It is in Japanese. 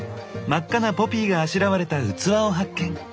真っ赤なポピーがあしらわれた器を発見。